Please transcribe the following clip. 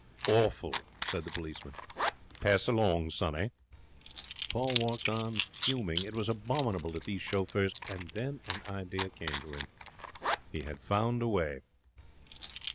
'Awful!' said the policeman. 'Pass along, sonny.' Paul walked on, fuming. It was abominable that these chauffeurs And then an idea came to him. He had found a way.